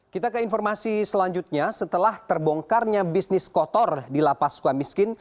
kita ke informasi selanjutnya setelah terbongkarnya bisnis kotor di lapas suka miskin